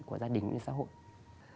của gia đình và xã hội